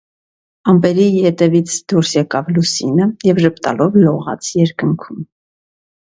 Ամպերի ետևից դուրս եկավ լուսինը և ժպտալով լողաց երկնքում։